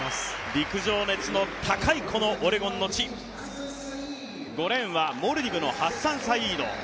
陸上熱の高いこのオレゴンの地、５レーンはモルディブのハッサン。